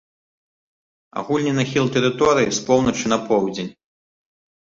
Агульны нахіл тэрыторыі з поўначы на поўдзень.